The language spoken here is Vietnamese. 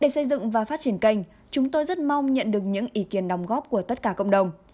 để xây dựng và phát triển kênh chúng tôi rất mong nhận được những ý kiến đóng góp của tất cả cộng đồng